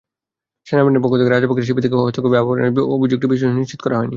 সেনাবাহিনীর পক্ষ থেকে রাজাপক্ষের শিবির থেকে হস্তক্ষেপের আহ্বানের অভিযোগের বিষয়টি নিশ্চিত করা হয়নি।